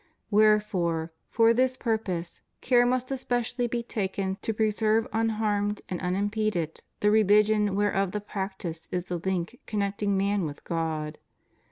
Wherefore, for this pur pose, care must especially be taken to preserve unharmed and imimpeded the religion whereof the practice is the link connecting man with God.